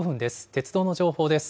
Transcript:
鉄道の情報です。